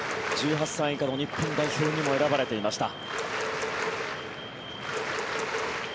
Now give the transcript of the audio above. １８歳以下の日本代表にも選ばれていました。